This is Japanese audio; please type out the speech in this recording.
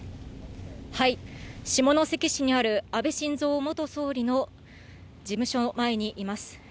下関市にある安倍晋三元総理の事務所前にいます。